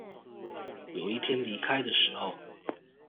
有一天離開的時候